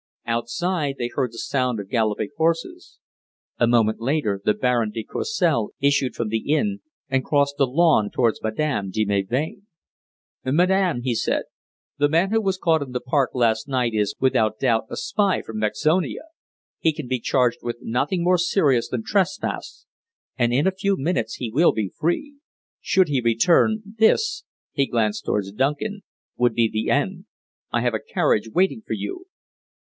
Outside they heard the sound of galloping horses. A moment later the Baron de Courcelles issued from the inn and crossed the lawn towards Madame de Melbain. "Madame," he said, "the man who was caught in the park last night is, without doubt, a spy from Mexonia! He can be charged with nothing more serious than trespass, and in a few minutes he will be free. Should he return, this" he glanced towards Duncan "would be the end. I have a carriage waiting for you."